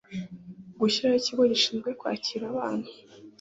gushyiraho ikigo gishinzwe kwakira abana